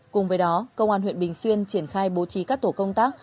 cùng với đó công an huyện bình xuyên triển khai bố trí các tổ công tác